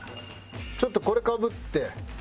ちょっとこれかぶって。